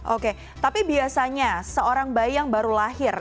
oke tapi biasanya seorang bayi yang baru lahir